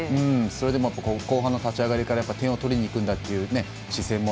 それでも後半の立ち上がりから点を取りにいくんだという姿勢